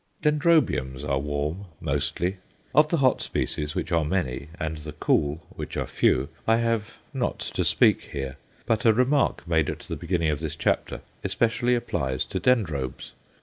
Dendrobiums are "warm" mostly; of the hot species, which are many, and the cool, which are few, I have not to speak here. But a remark made at the beginning of this chapter especially applies to Dendrobes.